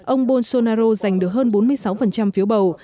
ông bolsonaro giành được hơn bốn mươi sáu phiếu bầu